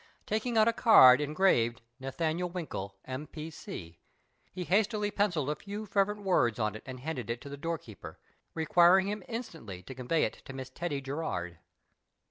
Taking out a card engraved " Nathaniel Winki.k, M.P.C," he hastily pencilled a few fervent words on it and handed it to the doorkeeper, rccjuiring him instantly to convey it to Miss Teddie Gerard.